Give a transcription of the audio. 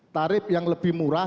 tarif yang lebih murah